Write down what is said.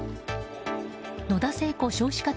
野田聖子